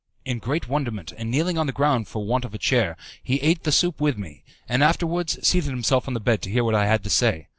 In great wonderment, and kneeling on the ground for want of a chair, he ate the soup with me, and afterwards seated himself on the bed to hear what I had to say.